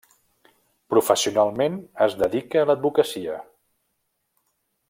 Professionalment es dedica a l'advocacia.